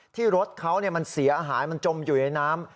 ที่รถเขามันเสียหายมันจมอยู่ในน้ำ